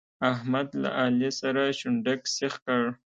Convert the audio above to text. احمد له علي سره شونډک سيخ کړ.